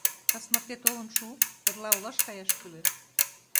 Кас марте толын шу, эрла олаш каяш кӱлеш.